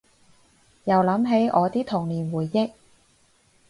又諗起我啲童年回憶